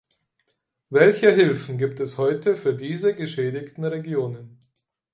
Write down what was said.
Welche Hilfen gibt es heute für diese geschädigten Regionen?